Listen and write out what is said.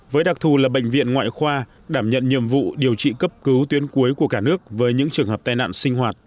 với đặc thù là bệnh viện ngoại khoa đảm nhận nhiệm vụ điều trị cấp cứu tuyến cuối của cả nước với những trường hợp tai nạn sinh hoạt